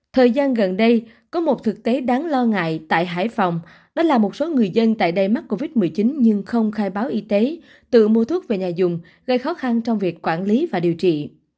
thời gian gần đây có một thực tế đáng lo ngại tại hải phòng đó là một số người dân tại đây mắc covid một mươi chín nhưng không khai báo y tế tự mua thuốc về nhà dùng gây khó khăn trong việc quản lý và điều trị